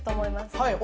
はい。